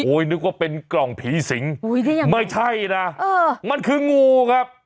นึกว่าเป็นกล่องผีสิงไม่ใช่นะมันคืองูครับ